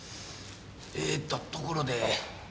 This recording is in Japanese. えーっとところで？